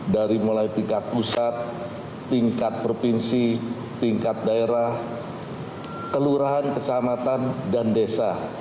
dari mulai tingkat pusat tingkat provinsi tingkat daerah kelurahan kecamatan dan desa